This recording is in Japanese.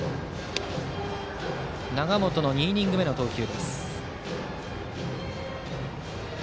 永本の２イニング目の投球。